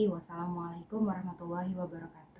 wassalamualaikum wr wb